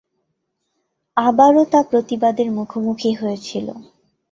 আবারও তা প্রতিবাদের মুখোমুখি হয়েছিল।